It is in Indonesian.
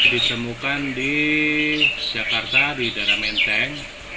ditemukan di jakarta di daerah menteng